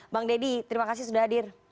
bang deddy terima kasih sudah hadir